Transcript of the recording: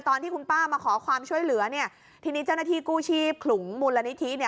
ตอนที่คุณป้ามาขอความช่วยเหลือเนี่ยทีนี้เจ้าหน้าที่กู้ชีพขลุงมูลนิธิเนี่ย